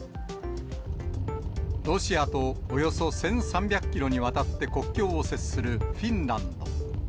ロシアとおよそ１３００キロにわたって国境を接するフィンランド。